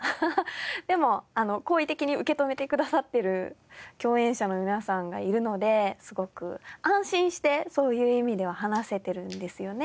でも好意的に受け止めてくださってる共演者の皆さんがいるのですごく安心してそういう意味では話せてるんですよね。